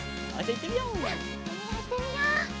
いってみよういってみよう。